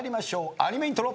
アニメイントロ。